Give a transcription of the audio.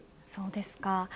そうですか。